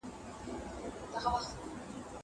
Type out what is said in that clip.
له قصو څخه عبرت اخيستل کيږي.